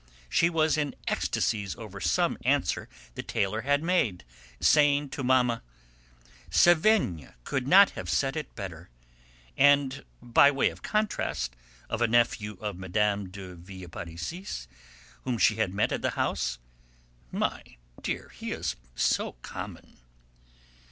She was in ecstasies over some answer the tailor had made, saying to Mamma: "Sévigné would not have said it better!" and, by way of contrast, of a nephew of Mme. de Villeparisis whom she had met at the house: "My dear, he is so common!"